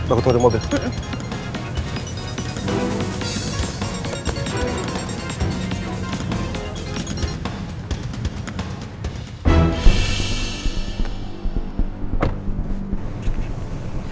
aku tunggu di mobil